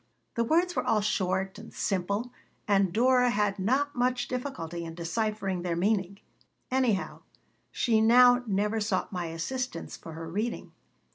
The words were all short and simple and Dora had not much difficulty in deciphering their meaning. Anyhow, she now never sought my assistance for her reading.